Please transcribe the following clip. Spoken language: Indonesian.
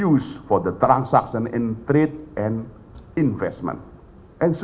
untuk transaksi kewangan dan investasi